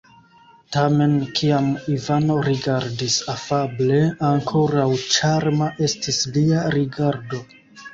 Tamen, kiam Ivano rigardis afable, ankoraŭ ĉarma estis lia rigardo.